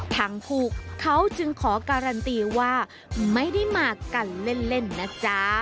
ทั้งคู่เขาจึงขอการันตีว่าไม่ได้มากันเล่นนะจ๊ะ